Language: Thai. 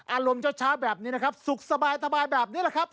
อารมณ์เช้าแบบนี้นะครับสุขสบายแบบนี้แหละครับ